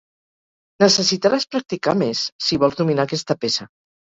Necessitaràs practicar més si vols dominar aquesta peça.